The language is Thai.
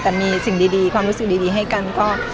แต่มีสิ่งดีความรู้สึกดีให้กันก็